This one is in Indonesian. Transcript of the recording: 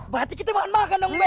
berarti kita makan makan dong be